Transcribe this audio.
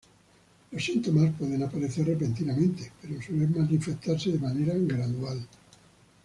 Los síntomas pueden aparecer repentinamente, pero suelen manifestarse de manera gradual.